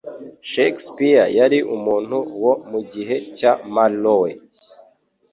Shakespeare yari umuntu wo mu gihe cya Marlowe.